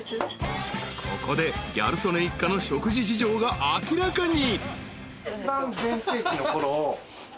［ここでギャル曽根一家の食事事情が明らかに］